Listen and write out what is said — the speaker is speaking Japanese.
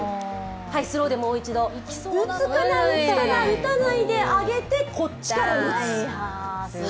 はい、スローでもう一度打つかな、打つかな、打たないで上げてこっちから打つ。